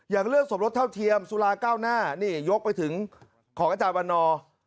อย่างเรื่องสมรสเท่าเทียมสุราเก้าหน้านี่ยกไปถึงของอาจารย์วันนอร์